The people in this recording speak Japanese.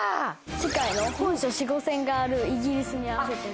世界の本初子午線があるイギリスに合わせてんですよ。